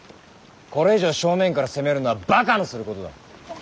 これ以上正面から攻めるのはばかのすることだ。